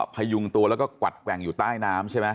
พยุงตัวแล้วก็กวัดแกว่งอยู่ใต้น้ำใช่ไหม